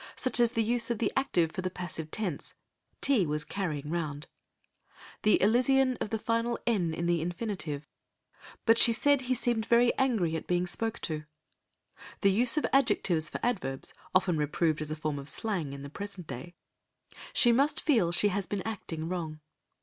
Such is the use of the active for the passive tense, "tea was carrying round"; the elision of the final "n" in the infinitive, "but she said he seemed very angry at being spoke to"; the use of adjectives for adverbs (often reproved as a form of slang in the present day), "she must feel she has been acting wrong."